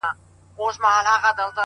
زه کرۍ ورځ په درنو بارونو بار یم.!